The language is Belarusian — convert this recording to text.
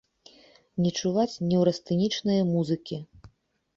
Не чуваць неўрастэнічнае музыкі.